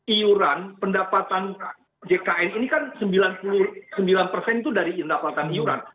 iuran pendapatan jkn ini kan sembilan puluh sembilan persen itu dari pendapatan iuran